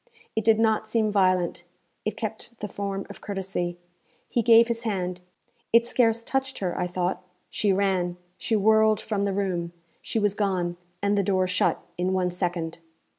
It did not seem violent; it kept the form of courtesy. He gave his hand; it scarce touched her, I thought; she ran, she whirled from the room; she was gone, and the door shut, in one second.